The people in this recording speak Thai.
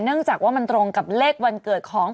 จากว่ามันตรงกับเลขวันเกิดของ